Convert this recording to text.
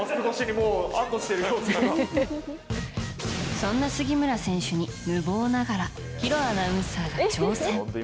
そんな杉村選手に無謀ながら弘アナウンサーが挑戦。